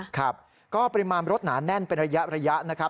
ครับก็ปริมาณรถหนาแน่นเป็นระยะนะครับ